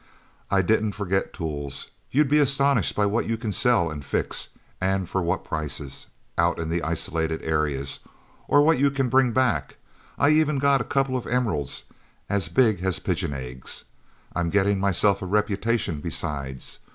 I didn't forget tools. You'd be astonished by what you can sell and fix and for what prices out in the isolated areas, or what you can bring back. I even got a couple of emeralds as big as pigeon eggs. I'm getting myself a reputation, besides.